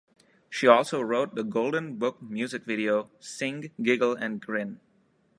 She also wrote the Golden Book Music Video "Sing, Giggle and Grin".